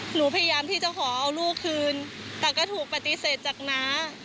หนูพยายามที่จะขอเอาลูกคืนแต่ก็ถูกปฏิเสธจากน้า